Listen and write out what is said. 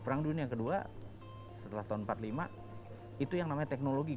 perang dunia kedua setelah tahun seribu sembilan ratus empat puluh lima itu yang namanya teknologi